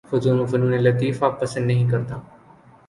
فنون لطیفہ پسند نہیں کرتا